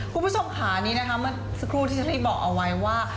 คุณผู้ชมขานี้นะคะเมื่อสักครู่ที่เชอรี่บอกเอาไว้ว่า